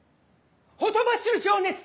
ほとばしる情熱！